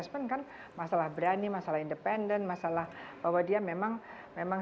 masalah bahwa dia memang